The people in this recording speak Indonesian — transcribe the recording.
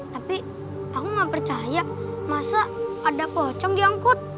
tapi aku nggak percaya masa ada pojok diangkot